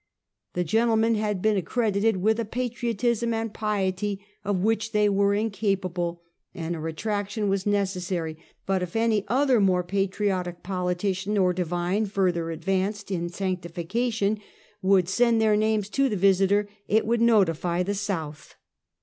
The gentlemen had been accredited with a patriotism and piety of which they were incapable, and a retraction was necessary ; but if any other more patriotic politician or divine, further advanced in sanctification would send their names to the Visiter, it would notify the South.